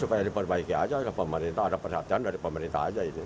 supaya diperbaiki aja ada persatuan dari pemerintah aja